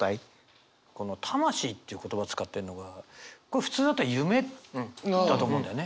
この「魂」っていう言葉使ってるのがこれ普通だったら「夢」だと思うんだよね。